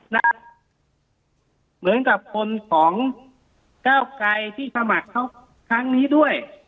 เหมือนกับคนของก้าวไกรที่สมัครเขาครั้งนี้ด้วย